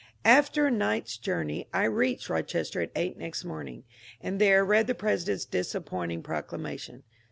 After a night's journey I reached Rochester at eight next morning, and there read the President's disappointing proclamation.